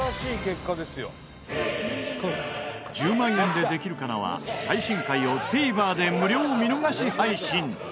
『１０万円でできるかな』は最新回をＴＶｅｒで無料見逃し配信。